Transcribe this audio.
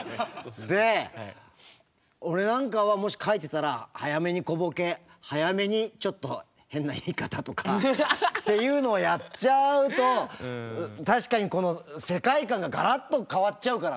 で俺なんかはもし書いてたら早めに小ボケ早めにちょっと変な言い方とかっていうのをやっちゃうと確かにこの世界観がガラッと変わっちゃうからね。